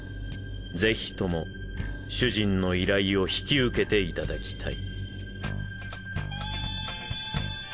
ぜひとも主人の依頼を引き受けていただきたい。